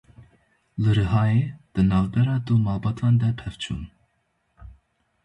Li Rihayê di navbera du malbatan de pevçûn.